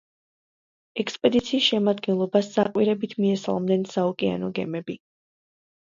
ექსპედიციის შემადგენლობას საყვირებით მიესალმნენ საოკეანო გემები.